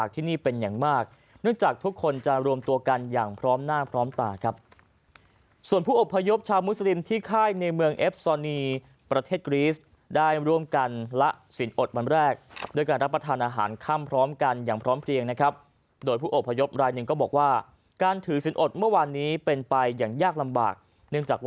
ที่นี่เป็นอย่างมากเนื่องจากทุกคนจะรวมตัวกันอย่างพร้อมหน้าพร้อมตาครับส่วนผู้อบพยพชาวมุสลิมที่ค่ายในเมืองเอฟซอนีประเทศกรีสได้ร่วมกันละสินอดวันแรกด้วยการรับประทานอาหารค่ำพร้อมกันอย่างพร้อมเพลียงนะครับโดยผู้อบพยพรายหนึ่งก็บอกว่าการถือสินอดเมื่อวานนี้เป็นไปอย่างยากลำบากเนื่องจากว